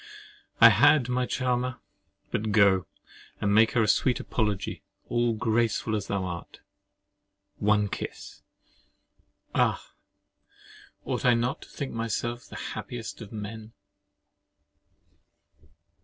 I had, my charmer. But go, and make her a sweet apology, all graceful as thou art. One kiss! Ah! ought I not to think myself the happiest of men?